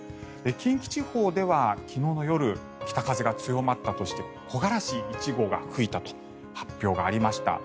近畿地方では昨日の夜北風が強まったとして木枯らし一号が吹いたと発表がありました。